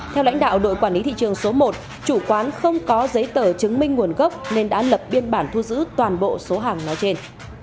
theo lãnh đạo đội quản lý thị trường số một chủ quán không có giấy tờ chứng minh nguồn gốc nên đã lập biên bản thu giữ toàn bộ số hàng nói trên